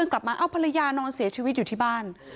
กลับมาเอ้าภรรยานอนเสียชีวิตอยู่ที่บ้าน